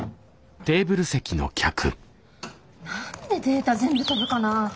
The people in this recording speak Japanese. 何でデータ全部飛ぶかなあ。